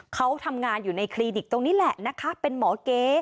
เขาทำงานอยู่ในคลินิกตรงนี้แหละนะคะเป็นหมอเก๋